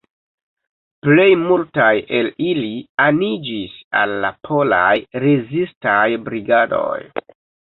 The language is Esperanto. Plej multaj el ili aniĝis al la polaj rezistaj brigadoj.